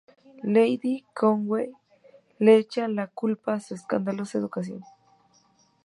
Lady Conway le echa la culpa a su "escandalosa" educación.